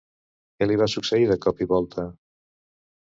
Què li va succeir de cop i volta?